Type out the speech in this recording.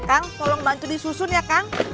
kang tolong bantu disusun ya kang